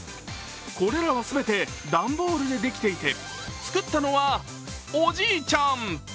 これらは全て段ボールでできていて作ったのは、おじいちゃん。